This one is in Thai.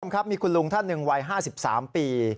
ครับมีคุณลุงท่านหนึ่งวัย๕๓ปี